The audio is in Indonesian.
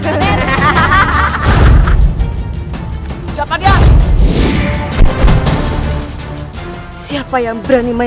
aku sangatcommerce aimer dan ibu paham